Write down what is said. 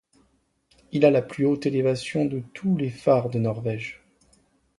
Il a la plus haute élévation de tous les phares de Norvège.